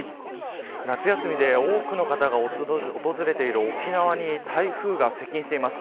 夏休みで多くの方が訪れている沖縄に台風が接近しています。